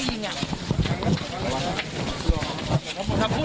ส่งข้อมูล